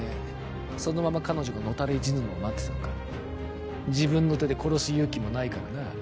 そのまま彼女が野たれ死ぬのを待ってたのか自分の手で殺す勇気もないからな